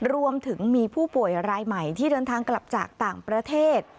รวมถึงมีผู้ป่วยรายใหม่ที่เดินทางกลับจากต่างประเทศ